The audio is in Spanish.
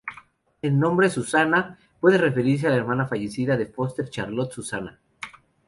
El nombre Susannah puede referirse de la hermana fallecida de Foster, Charlotte Susannah.